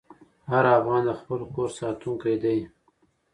هر افغان د خپل کور ساتونکی دی.